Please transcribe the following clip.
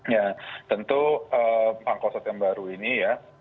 ya tentu angkosot yang baru ini ya